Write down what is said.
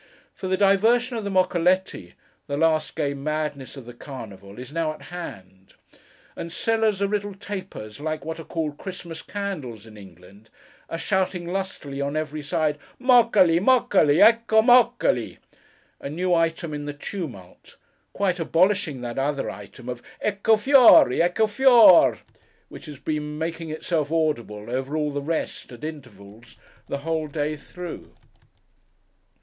For the diversion of the Moccoletti, the last gay madness of the Carnival, is now at hand; and sellers of little tapers like what are called Christmas candles in England, are shouting lustily on every side, 'Moccoli, Moccoli! Ecco Moccoli!'—a new item in the tumult; quite abolishing that other item of 'Ecco Fióri! Ecco Fior r r!' which has been making itself audible over all the rest, at intervals, the whole day through.